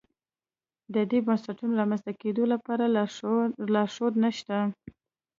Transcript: د دې بنسټونو رامنځته کېدو لپاره لارښود نه شته.